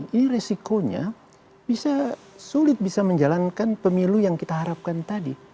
ini resikonya bisa sulit bisa menjalankan pemilu yang kita harapkan tadi